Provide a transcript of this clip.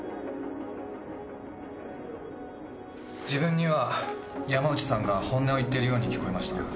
自分には山内さんが本音を言っているように聞こえました。